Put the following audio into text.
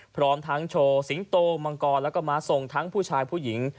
พร้อมทั้งโชว์สิงโตมังกรแล้วก็ม้าทรงทั้งผู้ชายผู้หญิง